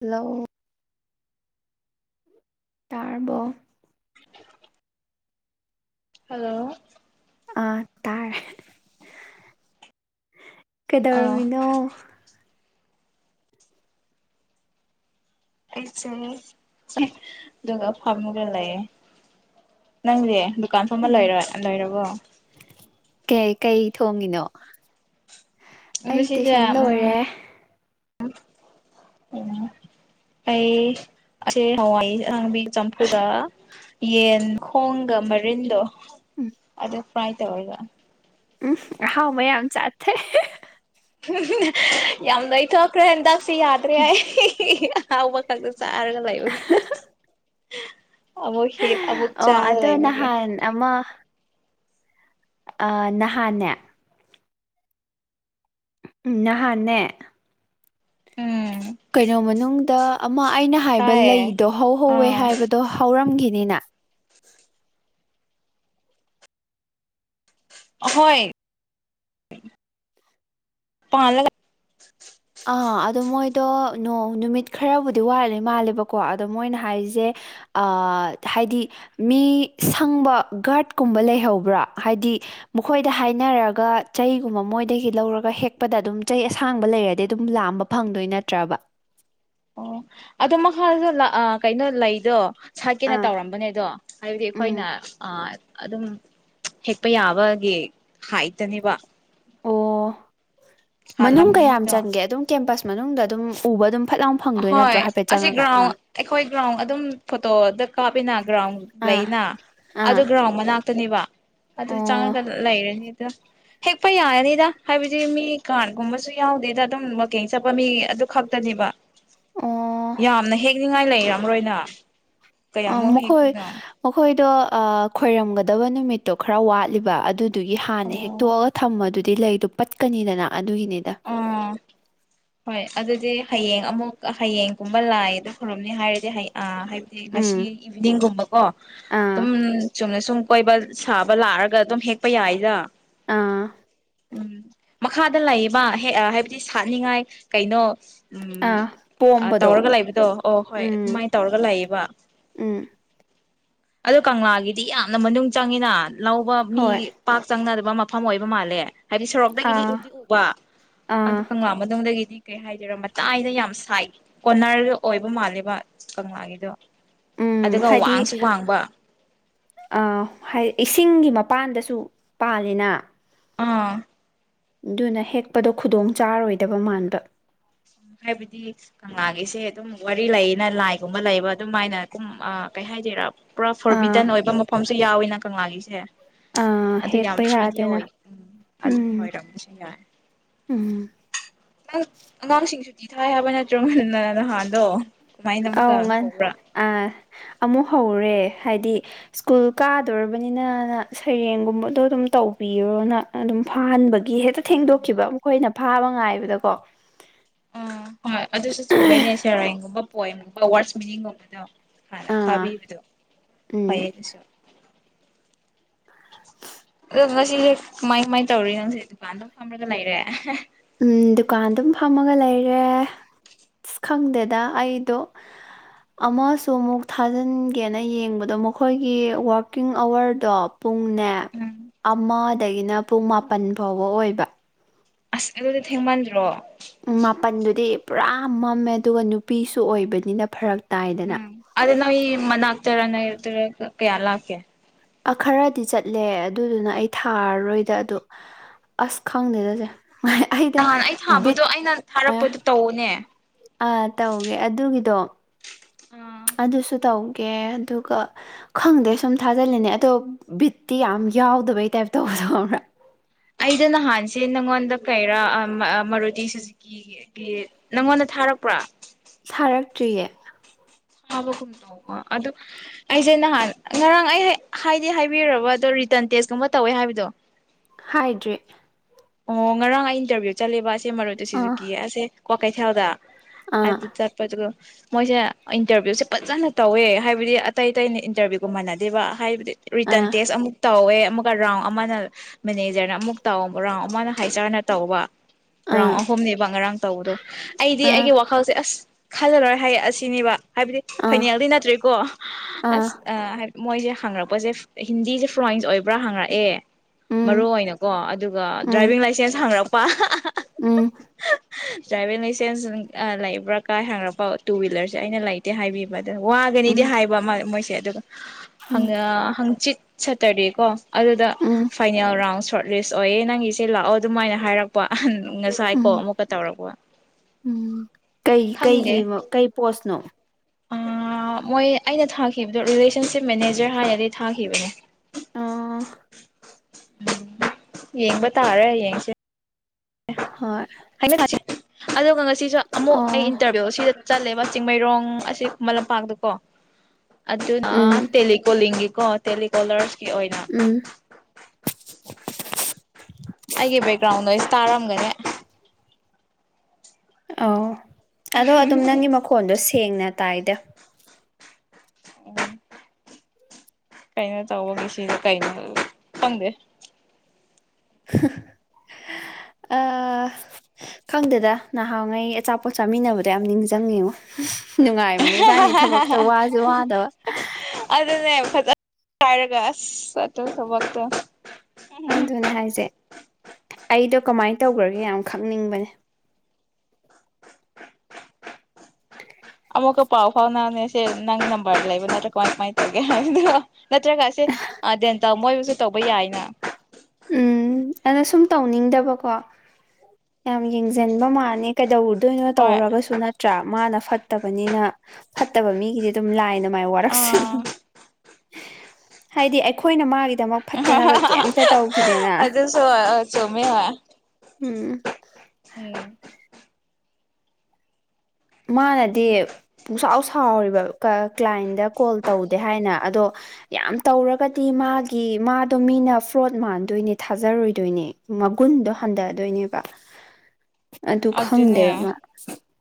Hello ꯇꯥꯔꯔꯕꯣ hello ꯑ ꯇꯥꯔꯦ ꯑꯥ ꯀꯩꯗꯧꯔꯝꯃꯤꯅꯣ ꯑꯩꯁꯦ ꯑꯗꯨꯒ ꯐꯥꯝꯒ ꯂꯩꯌꯦꯦ ꯅꯪꯅꯦꯦ ꯗꯨꯀꯥꯟ ꯐꯕ ꯎꯝ ꯂꯩꯔ ꯂꯣꯏꯔꯕꯣ ꯀꯩ ꯀꯩ ꯊꯣꯡꯉꯤꯅꯣ ꯑꯩ ꯇꯨꯏꯁꯟ ꯂꯣꯏꯔꯦ ꯑ ꯎꯝ ꯑꯩ ꯍꯋꯥ ꯆꯝꯀꯨꯗ ꯌꯦꯟ ꯈꯣꯡꯒ ꯃꯔꯤꯟꯗꯣ ꯎꯝ ꯑꯗꯨ ꯐ꯭ꯔꯥꯏ ꯇꯧꯔꯒ ꯎꯝ ꯍꯥꯎ ꯃꯌꯥꯝꯌꯥꯝꯝ ꯆ ꯌꯥꯝ ꯂꯩꯊꯣꯛꯈ꯭ꯔꯦ ꯍꯟꯗꯥꯛꯁꯦ ꯌꯥꯗ꯭ꯔꯦ ꯍꯥꯏ ꯑꯍꯥꯎꯕ ꯈꯛꯇꯁꯨ ꯆꯔꯒ ꯂꯩꯥꯏꯕ ꯑꯕꯣ ꯍꯦ ꯑꯕ ꯑꯣ ꯆꯥ ꯑꯗꯣ ꯂꯩꯥꯏ ꯅ ꯅꯍꯥꯟ ꯑ ꯅꯍꯥꯟꯅꯦ ꯅꯍꯥꯟꯅꯦ ꯎꯝ ꯀꯩꯅꯣ ꯃꯅꯨꯡꯗ ꯑꯃ ꯑꯩꯅ ꯍꯥꯏꯕ ꯇꯥꯏꯌꯦ ꯂꯩꯗꯣ ꯍꯧ ꯍꯧꯧꯋꯦ ꯑꯥ ꯍꯥꯏꯕꯗꯣ ꯍꯧꯔꯝꯈꯤꯅꯤꯅ ꯍꯣꯏ ꯄ ꯑꯥ ꯑꯗꯣ ꯃꯣꯏꯗꯣ ꯅꯣꯡ ꯅꯨꯃꯤꯠ ꯈꯔꯕꯨꯗꯤ ꯋꯥꯠꯂꯤꯦ ꯃꯥꯜꯂꯦꯕꯀꯣ ꯑꯗꯣ ꯃꯣꯏꯅ ꯍꯥꯏꯔꯤꯁꯦ ꯍꯥꯏꯗꯤ ꯃꯤ ꯁꯪꯕ ꯒꯥꯔꯗꯀꯨꯝꯕ ꯂꯩꯍꯧꯕ꯭ꯔꯥ ꯍꯥꯏꯗꯤ ꯃꯈꯣꯏꯗ ꯍꯥꯏꯅꯔꯒ ꯆꯩꯒꯨꯝꯕ ꯃꯣꯏꯗꯒꯤ ꯂꯧꯔꯒ ꯍꯦꯛꯄꯗ ꯑꯗꯨꯝ ꯆꯩ ꯑꯁꯥꯡꯕ ꯂꯩꯔꯗꯤ ꯑꯗꯨꯝ ꯂꯥꯝꯕ ꯐꯪꯗꯣꯏ ꯅꯠꯇ꯭ꯔꯕ ꯑꯣ ꯑꯗꯣ ꯃꯈꯥꯗꯁꯨ ꯀꯩꯅꯣ ꯂꯩꯗꯣ ꯁꯥꯏꯀꯦꯅ ꯑꯥ ꯇꯧꯔꯝꯕꯅꯦ ꯑꯗꯣ ꯍꯥꯏꯕꯗꯤ ꯑꯩꯈꯣꯏꯅ ꯎꯝ ꯑꯗꯨꯝ ꯍꯦꯛꯄ ꯌꯥꯕꯒꯤ ꯍꯥꯏꯠꯇꯅꯦꯕ ꯑꯣ ꯃꯅꯨꯡ ꯀꯌꯥꯝ ꯁꯥꯠꯂꯝꯒꯅꯤꯗꯣ ꯆꯪꯒꯦ ꯑꯗꯨꯝ ꯀꯦꯝꯄꯁ ꯃꯅꯨꯡꯗ ꯑꯗꯨꯝ ꯎꯕ ꯑꯗꯨꯝ ꯐꯠ ꯂꯥꯎ ꯐꯪꯗꯣꯏ ꯍꯣꯏ ꯅꯠꯇ꯭ꯔꯣ ꯍꯥꯏꯐꯦꯠ ꯑꯁꯤ ꯆꯪꯉꯒ ꯒ꯭ꯔꯥꯎꯟ ꯑꯥ ꯑꯩꯈꯣꯏ ꯒ꯭ꯔꯥꯎꯟ ꯑꯗꯨꯝ ꯐꯣꯇꯣꯗ ꯀꯥꯞꯃꯤꯅ ꯒ꯭ꯔꯥꯎꯟ ꯑꯥ ꯂꯩꯅ ꯑꯥ ꯑꯗꯨ ꯒ꯭ꯔꯥꯎꯟ ꯃꯅꯥꯛꯇꯅꯦꯕ ꯑꯗꯨ ꯑꯣ ꯆꯪꯉꯒ ꯂꯩꯔꯅꯤ ꯑ ꯍꯦꯛꯄ ꯌꯥꯔꯅꯤꯗ ꯍꯥꯏꯕꯗꯤ ꯃꯤ ꯀꯥꯔꯒꯨꯝꯕꯁꯨ ꯌꯥꯎꯗꯦꯗ ꯑꯗꯨꯝ ꯋꯀꯤꯡ ꯆꯠꯄ ꯃꯤ ꯑꯗꯨ ꯈꯛꯇꯅꯦꯕ ꯑꯣ ꯌꯥꯝꯅ ꯍꯦꯛꯅꯤꯉꯥꯏ ꯂꯩꯔꯝꯔꯣꯏꯅ ꯑ ꯀꯌꯥꯃꯨꯛ ꯃꯈꯣꯏ ꯍꯦꯛꯇꯣꯏꯅꯣ ꯃꯈꯣꯏꯗꯣ ꯈꯣꯏꯔꯝꯒꯗꯕ ꯅꯨꯃꯤꯠꯇꯣ ꯈꯔ ꯋꯥꯠꯂꯤꯕ ꯑꯗꯨ ꯑꯗꯨꯒꯤ ꯍꯥꯟꯅ ꯑꯣ ꯍꯦꯛꯛꯇꯣꯛꯑꯒ ꯊꯝꯃꯗꯨꯗꯤ ꯂꯩꯗꯨꯣ ꯄꯠꯀꯅꯤꯗꯅ ꯑꯗꯨꯒꯤ ꯑꯣ ꯍꯣꯏ ꯑꯗꯨꯗꯤ ꯍꯌꯦꯡ ꯑꯃꯨꯛ ꯍꯌꯦꯡꯒꯨꯝꯕ ꯂꯥꯏꯑꯗ ꯐꯔꯞꯅꯤ ꯍꯥꯏꯔꯗꯤ ꯍꯥꯏꯗꯤ ꯉꯁꯤ ꯎꯝ ꯏꯚꯤꯅꯤꯡꯒꯨꯝꯕꯀꯣ ꯑꯥ ꯑꯗꯨꯝ ꯆꯨꯝꯅ ꯁꯨꯝ ꯀꯣꯏꯕ ꯁꯥꯕ ꯂꯥꯛꯑꯒ ꯑꯗꯨꯝ ꯍꯦꯛꯄ ꯌꯥꯏꯖꯥ ꯑꯥ ꯎꯝ ꯃꯈꯥꯗ ꯂꯩꯌꯦꯕ ꯍꯥꯏꯕꯗꯤ ꯁꯥꯠꯅꯤꯡꯉꯥꯏ ꯀꯩꯅꯣ ꯎꯝ ꯑꯥ ꯄꯣꯝꯕꯗꯣ ꯇꯧꯔꯒ ꯂꯩꯕꯗꯣ ꯑꯣ ꯍꯣꯏ ꯎꯝ ꯑꯗꯨꯃꯥꯏꯅ ꯇꯧꯔꯒ ꯂꯩꯥꯛꯌꯦꯕ [unintelligible] ꯑꯗꯣ ꯀꯪꯂꯥꯒꯤꯗꯤ ꯌꯥꯝꯅ ꯃꯅꯨꯡ ꯆꯪꯉꯤꯅ ꯂꯧꯕ ꯃꯤ ꯍꯣꯏ ꯄꯥꯛ ꯆꯪꯅꯗ ꯃꯐꯝ ꯑꯣꯏꯕ ꯃꯥꯜꯂꯦ ꯍꯥꯏꯗꯤ ꯁꯣꯔꯣꯛꯗꯒꯤꯗꯤ ꯑꯥ ꯎꯗꯤ ꯎꯕ ꯑꯗꯨ ꯑꯥ ꯀꯪꯂ ꯃ ꯑꯗꯨ ꯣꯟꯗꯒꯤꯗꯤ ꯀꯩ ꯍꯥꯏꯗꯣꯏꯔꯣ ꯃꯇꯥꯏꯗ ꯌꯥꯝ ꯁꯥꯏ ꯀꯣꯅꯔꯒ ꯑꯣꯏꯕ ꯃꯥꯜꯂꯦꯕ ꯀꯪꯂꯥꯒꯤꯗꯣ ꯑꯗꯨꯒ ꯋꯥꯡꯁꯨ ꯋꯥꯡꯕ ꯑ ꯍꯥꯏꯗꯤ ꯏꯁꯤꯡꯒꯤ ꯃꯄꯥꯟꯗꯁꯨ ꯄꯥꯜꯂꯤꯅꯥ꯫ ꯑꯥ꯫ ꯑꯗꯨꯅ ꯍꯦꯛꯄꯗꯣ ꯈꯨꯗꯣꯡ ꯆꯥꯔꯣꯏꯗꯕ ꯃꯥꯟꯕ꯫ ꯍꯥꯏꯕꯗꯤ ꯀꯪꯂꯥꯒꯤꯁꯦ ꯑꯗꯨꯝ ꯋꯥꯔꯤ ꯂꯩꯌꯦꯅ ꯂꯥꯏꯒꯨꯝꯕ ꯂꯩꯕ ꯑꯗꯨꯃꯥꯏꯅ ꯀꯨꯝ ꯑ ꯀꯩ ꯍꯥꯏꯗꯥꯏꯔ꯫ ꯄꯨꯔꯥ ꯑꯥ ꯐꯣꯔꯕꯤꯇꯟ ꯑꯣꯏꯕ ꯃꯐꯝꯁꯨ ꯌꯥꯎꯋꯤꯅ ꯀꯪꯂꯥꯒꯤꯁꯦ꯫ ꯑꯥ ꯑꯗꯨ ꯌꯥꯝ ꯍꯦꯛꯄ ꯐ꯭ꯔꯤꯗꯤ ꯌꯥꯗꯅ ꯑꯣꯏ ꯎꯝ ꯑꯗꯨꯒꯤ ꯎꯝ ꯑꯣꯏꯔꯝꯒꯅꯤꯅ꯫ ꯎꯝ ꯅꯪ ꯑꯉꯥꯡꯁꯤꯡ ꯁꯨꯇꯤ ꯊꯥꯏ ꯍꯥꯏꯕ ꯅꯠꯇ꯭ꯔꯣ ꯉꯟꯅ ꯅꯍꯥꯟꯗꯣ꯫ ꯀꯃꯥꯏꯅ ꯑꯃꯨꯛꯀ ꯑꯧ ꯉꯥꯟ ꯍꯧꯕ꯭ꯔꯥ ꯑ ꯑꯃꯨꯛ ꯍꯧꯔꯦ꯫ ꯍꯥꯏꯗꯤ ꯁ꯭ꯀꯨꯜ ꯀꯥꯗꯣꯔꯕꯅꯤꯅꯅ ꯁꯩꯔꯦꯡꯒꯨꯝꯕꯗꯣ ꯑꯗꯨꯝ ꯇꯧꯕꯤꯑꫭꯅ ꯑꯗꯨꯝ ꯐꯥꯍꯟꯕꯒꯤ ꯍꯦꯛꯇ ꯑꯣ ꯊꯦꯡꯗꯣꯛꯈꯤꯕ ꯃꯈꯣꯏꯅ ꯐꯥꯕ ꯉꯥꯏꯕꯗꯀꯣ꯫ ꯎꯝ ꯍꯣꯏ ꯑꯗꯨꯁꯨ ꯆꯨꯝꯑꯦꯅꯦ ꯁꯦꯔꯥꯏꯡꯒꯨꯝꯕ ꯄꯣꯏꯝꯒꯨꯝꯕ ꯋꯥꯔꯗꯁ ꯃꯤꯅꯤꯡꯒꯨꯝꯕꯗꯣ꯫ ꯍꯥꯅ ꯑꯥ ꯐꯥꯕꯤꯕꯗꯣ ꯎꯝ ꯐꯩꯌꯦꯗꯨꯁꯨ꯫ [inaudible] ꯑꯗꫭ ꯉꯁꯤꯁꯦ ꯀꯃꯥꯏ ꯀꯃꯥꯏꯅ ꯇꯧꯔꯤ ꯅꯪꯁꯦ ꯗꯨꯀꯥꯟꯗ ꯐꯝꯔꯒ ꯂꯩꯔꯦ꯫ ꯎꯝ ꯗꯨꯀꯥꯟ ꯑꯗꯨꯝ ꯐꯝꯑꯒ ꯂꯩꯔꯦ꯫ ꯑꯁ ꯈꯪꯗꯦꯗ ꯑꯩꯗꯣ ꯑꯃꯁꯨ ꯑꯃꯨꯛ ꯊꯥꯖꯤꯟꯒꯦꯅ ꯌꯦꯡꯕꯗꯣ ꯃꯈꯣꯏꯒꯤ ꯋꯥꯔꯀꯤꯡ ꯑꯋꯥꯔꯗꯣ ꯄꯨꯡꯅꯦ ꯎꯝ ꯑꯃꯗꯒꯤꯅ ꯄꯨꯡ ꯃꯥꯄꯟ ꯐꯥꯎꯕ ꯑꯣꯏꯕ꯫ ꯑꯁ ꯑꯗꯨꯗꯤ ꯊꯦꯡꯃꯟꯗ꯭ꯔꯣ꯫ ꯃꯥꯄꯜꯗꯨꯗꯤ ꯄꯨꯔꯥ ꯃꯝꯃꯦ ꯑꯗꯨꯒ ꯅꯨꯄꯤꯁꯨ ꯑꯣꯏꯕꯅꯤꯅ ꯐꯔꯛ꯫ ꯇꯥꯏꯗꯅ꯫ ꯎꯝ ꯑꯗꯣ ꯅꯣꯏ ꯃꯅꯥꯛꯇꯔ ꯅꯩꯔꯛꯇꯔ ꯀꯌꯥ ꯂꯥꯞꯀꯦ꯫ ꯑꯈꯔꯗꯤ ꯆꯠꯂꯦ ꯑꯗꯨꯗꯨꯅ ꯑꯩ ꯊꯥꯔꯔꯣꯏꯗ ꯑꯗꯨ ꯑꯁ ꯈꯪꯗꯦꯗ ꯆꯦ꯫ ꯅꯍꯥꯟ ꯑꯩ ꯊꯥꯕꯗꯣ ꯑꯩꯅ ꯑ ꯊꯥꯔꯛꯄꯗꯣ ꯇꯧꯑꫭꯅꯦ꯫ ꯑꯥ ꯇꯧꯒꯦ ꯑꯗꯨꯒꯤꯗꯣ ꯑꯥ ꯑꯗꯨꯁꯨ ꯇꯧꯒꯦ ꯑꯗꯨꯒ ꯈꯪꯗꯦ ꯁꯨꯝ ꯊꯥꯖꯤꯜꯂꯤꯅꯦ ꯑꯗꯣ ꯕꯤꯠꯇꯤ ꯌꯥꯝ ꯌꯥꯎꯗꯕꯩ ꯇꯥꯏꯞ ꯇꯧꯕꯗꯣ ꯈꯪꯕ꯭ꯔꯥ꯫ ꯑꯩꯗ ꯅꯍꯥꯟꯁꯦ ꯅꯪꯉꯣꯟꯗ ꯀꯩꯔꯥ ꯑ ꯃꯔꯨꯇꯤ ꯁꯨꯖꯨꯀꯤꯒꯤ ꯅꯪꯉꯣꯟꯗ ꯊ ꯊꯥꯔꯛꯄ꯭ꯔꯥ꯫ ꯊꯥꯔꯛꯇ꯭ꯔꯤꯌꯦ꯫ ꯥꯊꯥꯕꯒꯨꯝ ꯇꯧꯕ ꯑꯗꯨ ꯑꯩꯁꯦ ꯅꯍꯥꯟ ꯉꯔꯥꯡ ꯑꯩ ꯍꯥꯏꯗꯤ ꯍꯥꯏꯕꯤꯔꯕ ꯑꯗꯣ ꯔꯤ ꯔꯤꯇꯟ ꯇꯦꯁꯀꯨꯝꯕ ꯇꯧꯋꯦ ꯍꯥꯏꯕꯗꯣ꯫ ꯍꯥꯏꯗ꯭꯭ꯔꯤ꯫ ꯑꯣ ꯉꯔꯥꯡ ꯑꯩ ꯏꯟꯇꯔꯚꯤꯌꯨ ꯆꯠꯂꯦꯕ ꯑꯁꯤ ꯃꯔꯨꯇꯤ ꯑꯥ ꯁꯨꯖꯨꯀꯤ ꯑꯁꯦ ꯀ꯭ꯋꯥꯀꯩꯊꯦꯜꯗ꯫ ꯑꯥ ꯑꯗꯨ ꯆꯠꯄꯗꯨꯒ ꯃꯣꯏꯁꯦ ꯏꯟꯇꯔꯚꯤꯌꯨꯁꯦ ꯐꯖꯅ ꯇꯧꯋꯦ ꯍꯥꯏꯕꯗꯤ ꯑꯇꯩ ꯑꯇꯩꯅ ꯏꯟꯇꯔꯚꯤꯌꯨꯒ ꯃꯥꯟꯅꯗꯦꯕ ꯍꯥꯏꯕꯗꯤ ꯔꯤꯇꯔꯟ ꯑꯥ ꯇꯦꯁ ꯑꯃꯨꯛ ꯇꯧꯋꯦ ꯑꯃꯨꯛꯀ ꯔꯥꯎꯟ ꯑꯃꯅ ꯃꯦꯅꯦꯖꯔꯅ ꯑꯃꯨꯛ ꯇꯧ ꯔꯥꯎꯟ ꯑꯃꯅ ꯍꯥꯏ ꯆꯥꯔꯅ ꯇꯧꯕ ꯔꯥꯎꯟ ꯑꯥ ꯑꯍꯨꯝꯅꯦꯕ ꯉꯔꯥꯡ ꯇꯧꯕꯗꯣ꯫ ꯑꯩꯗꯤ ꯑꯥ ꯑꯩꯒꯤ ꯋꯥꯈꯜꯁꯦ ꯑꯁ ꯈꯜꯂꯔꯔꯣꯏ ꯍꯥꯏꯔ ꯑꯁꯤꯅꯤꯕꯥ꯫ ꯍꯥꯏꯕꯗꯤ ꯑꯥ ꯐꯥꯏꯅꯦꯜꯗꯤ ꯅꯠꯇ꯭ꯔꯔꯤꯀꯣ ꯑꯥ ꯑꯁ ꯍꯥꯏ ꯃꯣꯏꯁꯦ ꯍꯥꯡꯔꯛꯄꯁꯦ ꯍꯤꯟꯗꯤꯁꯦ ꯐ꯭ꯔꯣꯟꯁ ꯑꯣꯏꯕ꯭ꯔꯥ ꯍꯥꯡꯔꯛꯑꯦ ꯃꯔꯨ ꯎꯝ ꯑꯣꯏꯅꯀꯣ ꯑꯗ ꯑ ꯎꯝ ꯗ꯭ꯔꯥꯏꯕꯤꯡ ꯂꯥꯏꯁꯦꯟꯁ ꯍꯥꯡꯔꯛꯄ ꯑꯍꯍ ꯎꯝ ꯗ꯭ꯔꯥꯏꯚꯤꯡ ꯂꯥꯏꯁꯦꯟꯁ ꯑ ꯂꯩꯕ꯭ꯔꯥ ꯀꯥꯏ ꯍꯪꯔꯛꯄ ꯇꯨ ꯍ꯭ꯋꯤꯂꯔꯁꯦ ꯑꯩꯅ ꯂꯩꯇꯦ ꯍꯥꯏꯕꯤꯕ꯫ ꯑꯗ ꯋꯥꯒꯅꯤꯗꯤ ꯎꯝ ꯍꯥꯏꯕ ꯑꯃ ꯃꯣꯏꯁꯦ ꯑꯗꯨꯒ ꯍꯪ ꯎꯝ ꯑ ꯍꯪꯆꯤꯠ ꯁꯇꯔꯗꯦꯀꯣ ꯑꯗꯨꯗ ꯎꯝ ꯐꯥꯏꯅꯦꯜ ꯔꯥꯎꯟ ꯁꯣꯔꯠ ꯂꯤꯁ ꯑꯣꯏꯌꯦ ꯅꯪꯒꯤꯁꯦ ꯂꯥꯛꯑꯣ ꯑꯗꯨꯃꯥꯏꯅ ꯍꯥꯏꯔꯛꯄ꯫ ꯉꯁꯥꯏ ꯀꯣ ꯎꯝ ꯑꯃꯨꯛꯀ ꯇꯧꯔꯛꯄ꯫ ꯎꯝ ꯀꯩ ꯀꯩꯒꯤ ꯀꯩ ꯄꯣꯁꯅꯣ꯫ ꯑꯥ ꯃꯣꯏ ꯑꯩꯅ ꯊꯥꯈꯤꯕꯗꯣ ꯔꯤꯂꯦꯁꯟꯁꯤꯞ ꯃꯦꯅꯦꯖꯔ ꯍꯥꯏꯔꯗꯤ ꯊꯥꯈꯤꯕꯅꯦ꯫ ꯑꯥ ꯌꯦꯡꯕ ꯇꯥꯔꯦ ꯌꯦꯡꯁꯦ ꯑꯦ ꯍꯣꯏ ꯍꯥꯏꯅ ꯊꯥꯁꯤ ꯑꯗꯨꯒ ꯉꯁꯤꯁꯨ ꯑꯃꯨꯛ ꯑꯩ ꯑꯣ ꯏꯟꯇꯔꯚꯤꯌꯨ ꯑꯁꯤꯗ ꯆꯠꯂꯦꯕ ꯆꯤꯡꯃꯩꯔꯣꯡ ꯑꯁꯤ ꯈꯨ ꯂꯝꯄꯥꯛꯇꯀꯣ ꯑꯗꯨꯅ ꯎꯝ ꯇꯦꯂꯤꯀꯣꯂꯤꯡꯒꯤ ꯀꯣ ꯇꯦꯂꯤꯀꯣꯂꯔꯁꯀꯤ ꯑꯣꯏꯅ ꯎꯝ ꯑꯩꯒꯤ ꯕꯦꯛꯒ꯭ꯔꯥꯎꯟꯗꯣꯁ ꯇꯥꯔꯝꯒꯅꯦ ꯑ ꯑꯗꯣ ꯑꯗꯨꯝ ꯅꯪꯒꯤ ꯃꯈꯣꯟꯗꯣ ꯁꯦꯡꯅ ꯇꯥꯏꯗ ꯎꯝ ꯀꯩꯅ ꯇꯧꯕꯒꯤ ꯁꯤꯗ ꯀꯩꯅ ꯈꯪꯗꯦ [unintelligible] ꯈꯪꯗꯦꯗ ꯅꯍꯥꯟꯉꯩ ꯑꯆꯥꯄꯣꯠ ꯆꯥꯃꯤꯟꯅꯕꯗꯣ ꯌꯥꯝ ꯅꯤꯡꯁꯤꯡꯉꯤ ꯅꯨꯡꯉꯥꯏꯕꯅꯦ ꯏꯕꯥꯅꯤ ꯊꯕꯛꯇ ꯋꯥꯁꯨꯦ ꯋꯥꯗ ꯑꯗꯨꯗ ꯇꯥꯔꯒꯥꯁꯇ ꯁꯕꯛ ꯇ ꯑꯗꯨꯅꯦ ꯍꯥꯏꯁꯦ ꯑꯩꯗꯣ ꯀꯃꯥꯏꯅ ꯇꯧꯈ꯭ꯔꯒꯦ ꯌꯥꯝ ꯈꯪꯅꯤꯡꯕꯅꯦ ꯑꯃꯨꯛꯀ ꯄꯥꯎ ꯐꯥꯎꯅꯅꯦꯁꯦ ꯅꯪ ꯅꯕꯥꯔ ꯂꯩꯕ ꯅꯠꯇ꯭ꯔꯒ ꯃꯥꯥꯏ ꯇꯦ ꯅꯠꯇ꯭ꯔꯒꯁꯦ ꯗꯦꯟ ꯇ ꯃꯣꯏꯕꯨꯁꯨ ꯇꯧꯕ ꯌꯥꯏꯅ ꯎꯝ ꯑꯩꯅ ꯁꯨꯝ ꯇꯧꯅꯤꯡꯗꯕꯀꯣ ꯌꯥꯝ ꯌꯦꯡꯁꯤꯟꯕ ꯃꯥꯅꯤ ꯀꯩꯗꯧꯗ ꯑꯗꯨꯅꯣ ꯍꯣꯏ ꯇꯧꯔꯒꯁꯨ ꯅꯠꯇ꯭ꯔꯥ ꯃꯥꯅ ꯐꯠꯇꯕꯅꯤꯅ ꯐꯠꯇꯕ ꯃꯤꯒꯤꯗꯤ ꯑꯗꯨꯝ ꯂꯥꯏ ꯥꯏ ꯑꯥ ꯋꯥꯔꯛꯁꯅꯤꯡ ꯍꯥꯏꯗꯤ ꯑꯩꯈꯣꯏꯅ ꯃꯥꯒꯤꯗꯃꯛ ꯐꯠꯇꯅꯕ ꯀꯩꯝꯇ ꯇꯧꯈꯤꯗꯦꯅ ꯑꯗꯨ ꯑꯗꯨ ꯁꯣ ꯆꯣꯃꯤ ꯍ ꯎꯝ ꯎꯝ ꯃꯥꯅꯗꯤ ꯄꯨꯡꯁꯥꯎ ꯁꯥꯎꯔꯤꯕ ꯀ꯭ꯂꯥꯏꯟꯗ ꯀꯣꯜ ꯇꯧꯗꯦ ꯍꯥꯏꯅ ꯑꯗꯣ ꯌꯥꯝ ꯇꯧꯔꯒꯗꯤ ꯃꯥꯒꯤ ꯃꯥꯗꯣ ꯃꯤꯅ ꯐ꯭ꯔꯣꯠ ꯃꯥꯟꯗꯣꯏꯅꯦ ꯊꯥꯖꯔꯣꯏꯗꯣꯏꯅꯦ ꯃꯒꯨꯟꯗꯣ ꯍꯟꯊꯑꯗꯣꯏꯅꯦꯕ ꯑꯗꯨ ꯑꯗꯨꯅꯦ ꯈꯪꯗꯦꯕ ꯃꯥ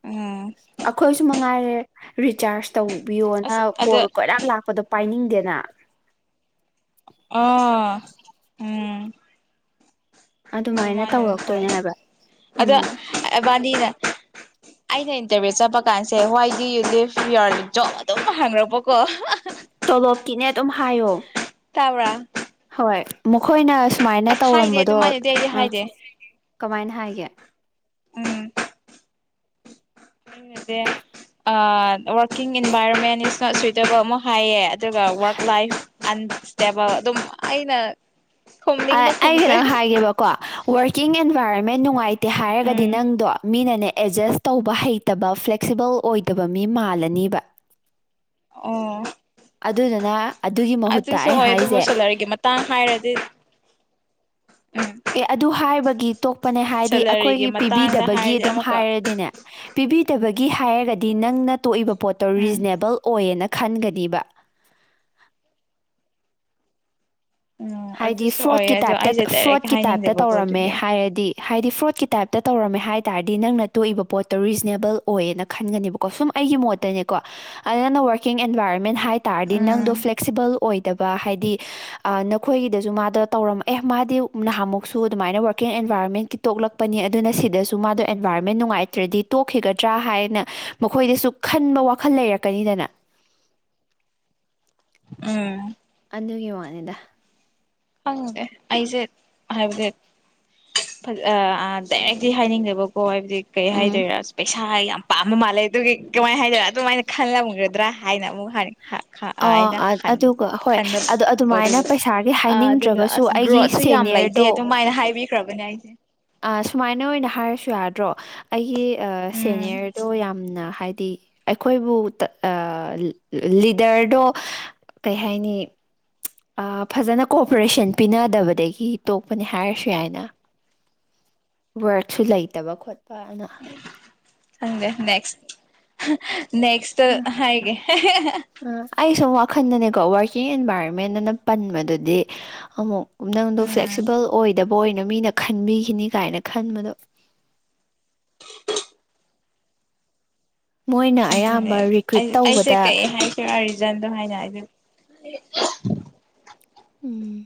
ꯎꯝ ꯑꯩꯈꯣꯏꯁꯨ ꯃꯉꯥꯏꯔꯦ ꯔꯤꯆꯥꯔꯖ ꯇꯧꯕꯤꯌꯣꯅ ꯑꯁ ꯑꯗ ꯀꯣꯜ ꯀꯣꯏꯔꯥꯡ ꯂꯥꯛꯄꯗꯣ ꯄꯥꯏꯅꯤꯡꯗꯦꯅ ꯑ ꯎꯝ ꯑꯗꯨꯃꯥꯏꯅ ꯍꯣꯏ ꯇꯧꯔꯛꯇꯣꯏꯅꯦ ꯍꯥꯏꯕ ꯑꯗ ꯎꯝ ꯑꯦꯕꯥꯅꯤꯅꯦ ꯑꯩꯅ ꯏꯟꯇꯔꯚꯤꯌꯨ ꯆꯠꯄ ꯀꯥꯟꯁꯦ ꯋꯥꯏꯗꯤ ꯌꯨꯗꯤꯞ ꯌꯔꯂꯤꯞꯇꯣ ꯑꯗꯨꯝ ꯍꯥꯡꯉꯛꯄꯀꯣ ꯇꯣꯂꯣꯞꯀꯤꯅꯦ ꯑꯗꯨꯝ ꯍꯥꯏꯌꯣ ꯇꯥꯕ꯭ꯔꯥ ꯍꯣꯏ ꯃꯈꯣꯏꯅ ꯁꯨꯃꯥꯏꯅ ꯑꯁ ꯍꯥꯏꯗꯦ ꯇꯧꯔꯝꯕꯗꯣ ꯑꯗꯨꯃꯥꯏꯅꯗꯤ ꯑꯩꯗꯤ ꯑ ꯍꯥꯏꯗꯦ ꯀꯃꯥꯏꯅ ꯍꯥꯏꯒꯦ um the uh working environment is not suitable ꯑꯃ ꯍꯥꯏꯌꯦ ꯑꯗꯨꯒ ꯋꯥꯔꯛ ꯂꯥꯏꯐ ꯑꯟꯁꯇꯦꯕꯜ ꯑꯗꯨꯝ ꯑꯩꯅ ꯈꯨꯝꯅꯤꯡꯕ ꯑꯩ ꯈꯨꯝꯈ꯭ꯔꯦ ꯀꯩꯅꯣꯪ ꯍꯥꯏꯒꯦꯕꯀꯣ ꯋꯥꯔꯀꯤꯡ ꯑꯦꯟꯚꯥꯏꯔꯣꯟꯃꯦꯟ ꯅꯨꯡꯉꯥꯏꯇꯦ ꯍꯥꯏꯔꯒꯗꯤ ꯎꯝ ꯅꯪꯗꯣ ꯃꯤꯅꯅꯦ ꯑꯦꯗꯖꯁ ꯇꯧꯕ ꯍꯩꯇꯕ ꯐ꯭ꯂꯦꯛꯁꯤꯕꯜ ꯑꯣꯏꯗꯕ ꯃꯤ ꯃꯥꯜꯂꯅꯤꯕ ꯑꯣ ꯑꯗꯨꯗꯨꯅ ꯑꯗꯨꯒꯤ ꯃꯍꯨꯠꯇ ꯑꯗꯨꯁꯨ ꯑꯩꯅ ꯑꯣꯏ ꯑꯗꯨꯕꯨ ꯍꯥꯏꯁꯦ ꯁꯦꯂꯔꯤꯒꯤ ꯃꯇꯥꯡ ꯍꯥꯏꯔꯗꯤ ꯎꯝ ꯑꯦ ꯑꯗꯨ ꯍꯥꯏꯕꯒꯤ ꯇꯣꯛꯄꯅꯦ ꯍꯥꯏꯗꯤ ꯁꯦꯂꯔꯤꯒꯤ ꯑꯩꯈꯣꯏꯒꯤ ꯃꯇꯥꯡꯗ ꯄꯤꯕꯤꯗꯕꯒꯤ ꯍꯥꯏꯔꯗꯤ ꯑꯗꯨꯝ ꯑꯃꯨꯛꯀ ꯍꯥꯏꯔꯗꯤꯅꯦ ꯄꯤꯕꯤꯗꯕꯒꯤ ꯍꯥꯏꯔꯒꯗꯤ ꯅꯪꯅ ꯇꯣꯛꯏꯕ ꯄꯣꯠꯇꯣ ꯎꯝ ꯔꯤꯖꯅꯦꯕꯜ ꯑꯣꯏꯌꯦꯅ ꯈꯟꯒꯔꯤꯕ ꯎꯝ ꯍꯥꯏꯗꯤ ꯑꯗꯨꯁꯨ ꯑꯣꯏꯌꯦ ꯐ꯭ꯔꯣꯠꯀꯤ ꯑꯗꯣ ꯇꯥꯏꯞꯇ ꯑꯩꯁꯦ ꯗꯥꯏꯔꯦꯛ ꯐ꯭ꯔꯣꯠꯀꯤ ꯇꯥꯏꯞꯇ ꯍꯥꯏꯅꯤꯡꯗꯕꯀꯣ ꯇꯧꯔꯝꯃꯦ ꯑꯗꯨꯒꯤ ꯍꯥꯏꯔꯗꯤ ꯍꯥꯏꯗꯤ ꯐ꯭ꯔꯣꯗꯀꯤ ꯇꯥꯏꯞꯇ ꯇꯧꯔꯝꯃꯦ ꯍꯥꯏꯕ ꯇꯥꯔꯗꯤ ꯅꯪꯅ ꯇꯣꯛꯏꯕ ꯄꯣꯠꯇꯣ ꯔꯤꯖꯅꯦꯕꯜ ꯑꯣꯏꯌꯦꯅ ꯈꯟꯒꯅꯦꯕꯀꯣ ꯁꯨꯝ ꯑꯩꯒꯤ ꯃꯣꯠꯇꯅꯦꯀꯣ ꯑꯗꯨ ꯅꯪꯅ ꯋꯥꯔꯀꯤꯡ ꯑꯦꯟꯚꯥꯏꯔꯣꯟꯃꯦꯟ ꯍꯥꯏ ꯇꯥꯔꯗꯤ ꯅꯪꯗꯣ ꯎꯝ ꯐ꯭ꯂꯦꯛꯁꯤꯕꯜ ꯑꯣꯏꯗꯕ ꯍꯥꯏ ꯗꯤ ꯑ ꯅꯞ ꯈꯣꯏꯒꯤꯗꯁꯨ ꯃꯥꯗꯣ ꯇꯧꯔꯝ ꯑꯦ ꯃꯥꯗꯤ ꯅꯍꯥꯃꯨꯛꯁꯨ ꯑꯗꯨꯃꯥꯏꯅ ꯋꯥꯔꯀꯤꯡ ꯑꯦꯟꯚꯥꯏꯔꯣꯟꯃꯦꯟ ꯀꯤ ꯇꯣꯛꯂꯛꯄꯅꯤ ꯑꯗꯨꯅ ꯁꯤ ꯁꯤꯗꯁꯨ ꯃꯥꯗꯣ ꯑꯦꯟꯚꯥꯏꯔꯣꯟꯃꯦꯟ ꯅꯨꯡꯉꯥꯏꯇ꯭ꯔꯗꯤ ꯇꯣꯛꯈꯤꯒꯗ꯭ꯔꯥ ꯍꯥꯏꯌꯦꯅ ꯃꯈꯣꯏꯗꯁꯨ ꯈꯟꯕ ꯋꯥꯈꯜ ꯂꯩꯔꯛ ꯀꯅꯤꯗꯅ ꯎꯝ ꯑꯗꯨꯒꯤ ꯋꯥꯅꯤꯗ ꯈꯪꯗꯦ ꯑꯩꯁꯦ ꯍꯥꯏꯕꯗꯤ ꯐꯖ ꯑ ꯑꯥ ꯗꯥꯏꯔꯦꯛꯇꯤ ꯍꯥꯏꯅꯤꯡꯗꯦꯕꯀꯣ ꯍꯥꯏꯕꯗꯤ ꯀꯩ ꯎꯝ ꯍꯥꯏꯗꯣꯏꯔꯥ ꯄꯩꯁꯥ ꯍꯥꯏ ꯌꯥꯝ ꯄꯥꯝꯕ ꯃꯥꯜꯂꯦ ꯑꯗꯨꯒꯤ ꯀꯃꯥꯏꯅ ꯍꯥꯏꯗꯣꯏ ꯑꯗꯨꯃꯥꯏꯅ ꯈꯜꯂꯝꯒꯗ꯭ꯔꯥ ꯍꯥꯏꯅ ꯑꯃꯨꯛ ꯍꯥꯏ ꯍ ꯈ ꯑ ꯑꯥꯏꯅ ꯑ- ꯈꯟ ꯑꯗꯨꯒ ꯍꯣꯏ ꯈꯟꯅ ꯑꯗꯣ ꯑꯗꯨꯃꯥꯏꯅ ꯑꯗꯨꯗꯨ ꯄꯩꯁꯥꯒꯤ ꯑ ꯑꯗꯨꯒ ꯍꯥꯏꯅꯤꯡꯗ꯭ꯔꯒꯁꯨ ꯑꯁ ꯑꯩꯒꯤ ꯒ꯭ꯔꯣꯠꯁꯨ ꯌꯥꯝ ꯂꯩꯇꯦ ꯁꯦꯅꯤꯌꯔꯗꯣ ꯑꯗꯨꯃꯥꯏꯅ ꯍꯥꯏꯕꯤꯈ꯭ꯔꯕꯅꯦ ꯑꯩꯁꯦ ꯑ ꯁꯨꯃꯥꯏꯅ ꯑꯣꯏꯅ ꯍꯥꯏꯔꯁꯨ ꯌꯥꯗ꯭ꯔꯣ ꯑꯩꯒꯤ ꯎꯝ ꯁꯦꯅꯤꯌꯔꯗꯣ ꯌꯥꯝꯅ ꯍꯥꯏꯗꯤ ꯑꯩꯈꯣꯏꯕꯨ ꯇ ꯑ ꯂꯤꯗ ꯗꯔꯗꯣ ꯀꯩ ꯍꯥꯏꯥꯅꯤ ꯑ ꯐꯖꯅ ꯀꯣꯑꯣꯄꯔꯦꯁꯟ ꯄꯤꯅꯗꯕꯗꯒꯤ ꯇꯣꯛꯄꯅꯦ ꯍꯥꯏꯔꯁꯨ ꯌꯥꯏꯅ ꯕ꯭ꯔꯣꯠꯁꯨ ꯂꯩꯇꯕ ꯈꯣꯠ ꯈꯪꯗꯦ ꯅꯦꯛꯁ ꯅꯦꯛꯁꯇ ꯎꯝ, ꯍꯥꯏꯒꯦ ꯈꯟꯗꯅꯦꯀꯣ ꯋꯥꯔꯀꯤꯡ ꯑꯦꯟꯚꯥꯏꯔꯣꯟꯃꯦꯟ ꯑꯅ ꯄꯟꯕꯗꯨꯗꯤ ꯑꯃꯨꯛ ꯅꯪꯗꯣ ꯎꯝ ꯐ꯭ꯂꯦꯛꯁꯤꯕꯜ ꯑꯣꯏ ꯑꯣꯏꯗꯕ ꯑꯣꯏꯅ ꯃꯤꯅ ꯈꯟꯕꯤꯈꯤꯅꯤ ꯀꯥꯏꯅ ꯈꯟꯕꯗꯣ ꯃꯣꯏꯅ ꯑꯗꯨꯅꯦ ꯑꯌꯥꯝꯕ ꯔꯤꯀ꯭ꯔꯨꯏꯠ ꯑꯩ ꯑꯩꯁꯦ ꯇꯧꯕꯗ ꯀꯩ ꯍꯥꯏꯁꯤꯔꯥ ꯔꯤꯖꯟꯗꯣ ꯍꯥꯏꯅ ꯑꯩꯁꯦ ꯑꯟꯏꯟꯇꯦꯜꯂꯤꯖꯦꯕꯜ ꯎꯝ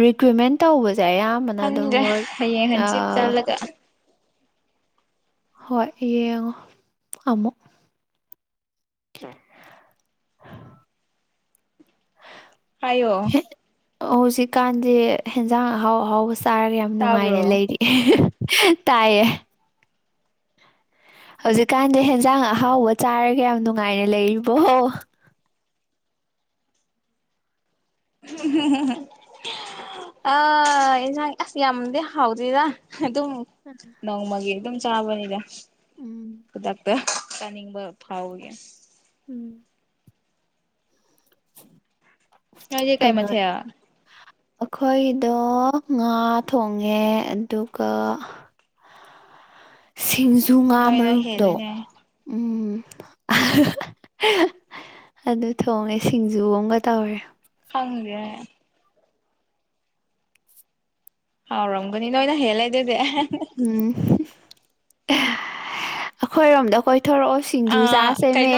ꯔꯤꯀ꯭ꯋꯨꯏꯃꯦꯟꯠ ꯇꯧꯕꯁꯦ ꯁꯦ ꯑꯌꯥꯝꯕꯅ ꯑꯗꯨꯝ ꯈꯪꯗ꯭ꯔꯦ ꯑꯣꯏ ꯍꯌꯦꯡ ꯑ ꯍꯪꯆꯤꯠ ꯆꯠꯂꯒ ꯍꯣꯏ ꯌꯦꯡꯉꯣ ꯑꯃꯨꯛ ꯑꯟꯑꯣꯗꯤꯕꯜ ꯍꯥꯏꯌꯣ ꯍꯧꯖꯤꯛꯀꯥꯟꯗꯤ ꯑꯦꯟꯖꯥꯡ ꯑꯍꯥꯎ ꯑꯍꯥꯎꯕ ꯆꯥꯔꯒ ꯌꯥꯝ ꯅꯨꯡꯉꯥꯏꯅ ꯇꯥꯕ꯭ꯔꯣ ꯂꯩꯔꯤ ꯑꯍ ꯇꯥꯏꯌꯦ ꯍꯧꯖꯤꯛꯀꯥꯟꯗꯤ ꯍꯦꯟꯖꯥꯡ ꯑꯍꯥꯎꯕ ꯆꯥꯔꯒ ꯌꯥꯝ ꯅꯨꯡꯉꯥꯏꯅ ꯂꯩꯔꯤꯕꯣ ꯍꯝꯍꯝꯍꯝ ꯑ ꯌꯦꯟꯖꯥꯡ ꯑꯁ ꯌꯥꯝꯗꯤ ꯍꯥꯎꯗ꯭ꯔꯤꯗ ꯑꯗꯨꯝ ꯅꯣꯡꯃꯒꯤ ꯑꯗꯨꯝ ꯆꯥꯕꯅꯤꯗ ꯎꯝ ꯈꯨꯗꯛ ꯑ ꯆꯥꯅꯤꯡꯕ ꯐꯥꯎꯕꯒꯦ ꯎꯝ ꯅꯪꯗꯤ ꯀꯩ ꯀꯩꯅꯣ ꯃꯊꯦꯜ ꯑꯩꯈꯣꯏꯗꯣ ꯉꯥ ꯊꯣꯡꯉꯦ ꯑꯗꯨꯒ ꯁꯤꯡꯖꯨ ꯉꯥ ꯅꯣꯏꯅ ꯃꯔꯨꯝꯗꯣ ꯍꯦꯜꯂꯤꯅꯦ ꯎꯝ ꯑꯍꯍꯍ ꯑꯗꯨ ꯊꯣꯡꯉꯦ ꯁꯤꯡꯖꯨ ꯑꯝꯒ ꯇꯧꯔꯦ ꯈꯪꯗꯦ ꯍꯥꯎꯔꯝꯒꯅꯤ ꯅꯣꯏꯅ ꯍꯦꯜꯂꯦ ꯑꯗꯣꯏꯗꯦ ꯎꯝ ꯑ ꯑꯩꯈꯣꯏꯔꯣꯝꯗ ꯑꯩꯈꯣꯏ ꯊꯣꯔꯛꯑꯣ ꯁꯤꯡꯖꯨ ꯑꯥ ꯆꯥꯁꯦꯃꯦ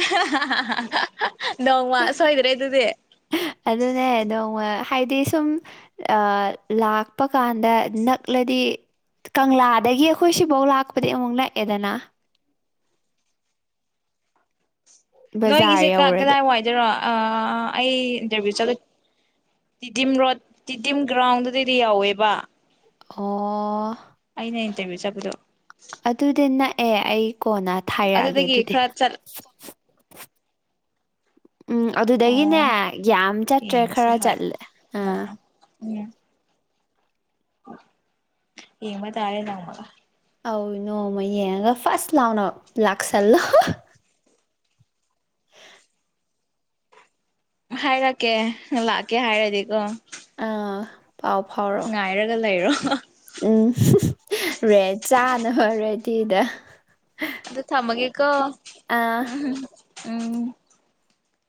ꯑꯍꯍꯍꯍꯍ ꯅꯣꯡꯃ ꯁꯣꯏꯗ꯭ꯔꯦ ꯑꯗꯨꯗꯤ ꯑꯗꯨꯅꯦ ꯅꯣꯡꯃ ꯍꯥꯏꯗꯤ ꯁꯨꯝ ꯂꯥꯛꯄ ꯀꯥꯟꯗ ꯅꯛꯂꯗꯤ ꯀꯪꯂꯥꯗꯒꯤ ꯑꯩꯈꯣꯏ ꯁꯤꯐꯧ ꯂꯥꯛꯄꯗꯤ ꯑꯃꯨꯛ ꯅꯛꯑꯦꯗꯅ ꯑꯟꯑꯣꯗꯤꯕꯜ ꯅꯣꯏꯒꯤꯁꯦ ꯀ ꯀꯗꯥꯏ ꯋꯥꯏꯗꯔꯣ ꯑ ꯑꯩ ꯏꯟꯇꯔꯚꯤꯌꯨ ꯆꯠꯂ ꯇꯤꯗꯤꯝ ꯔꯣꯗ ꯇꯤꯗꯤꯝ ꯒ꯭ꯔꯥꯎꯟꯗꯨꯗꯩꯗꯤ ꯌꯥꯎꯋꯦꯕ ꯑꯣ ꯑꯩꯅ ꯏ ꯇꯃꯤ ꯆꯕꯗꯨ ꯑꯗꯨꯗꯤ ꯅꯛꯑꯦ ꯑꯩ ꯀꯣꯟꯅ ꯊꯥꯏꯔꯛꯑꯒꯦ ꯑꯗꯨꯗꯒꯤ ꯑꯗꯨꯗꯤ ꯈꯔ ꯆꯠ ꯎꯝ ꯑꯣ ꯑꯗꯨꯗꯒꯤꯅꯦ ꯌꯥꯝ ꯆꯠꯇ꯭ꯔꯦ ꯌꯦꯡꯁꯦ ꯈꯔ ꯍꯣꯏ ꯆꯠꯂꯦ ꯑꯥ ꯅꯣꯡꯃ [unintelligible] ꯍꯃꯗ ꯑ ꯂ ꯃꯒ ꯑꯧ ꯅꯣꯡꯃ ꯌꯦꯡꯉꯒ ꯐꯥꯔꯁ ꯂꯥꯎꯅ ꯂꯥꯛꯁꯜꯂꯣ ꯍꯥꯏꯔꯛꯀꯦ ꯂꯥꯛꯀꯦ ꯍꯥꯏꯔꯗꯤꯀꯣ ꯑꯥ ꯄꯥꯎ ꯐꯥꯎꯔꯣ ꯉꯥꯏꯔꯒ ꯂꯩꯔꯣ ꯎꯝ ꯔꯦꯠ ꯆꯥꯅ ꯍꯔꯦꯗꯤꯗ ꯑꯗ ꯆꯃꯒꯀꯣ ꯎ ꯎꯝ